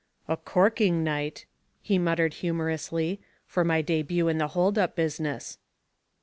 "A corking night," he muttered humorously, "for my debut in the hold up business."